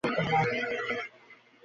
তিনি কখনও অফিস কামাই করতেন না ।